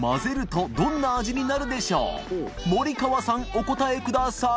お答えください